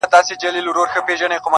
نن به څه خورې سړه ورځ پر تېرېدو ده-